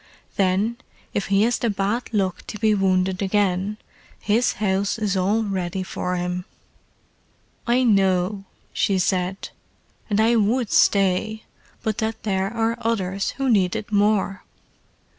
Then, if he has the bad luck to be wounded again, his house is all ready for him." "I know," she said. "And I would stay, but that there are others who need it more."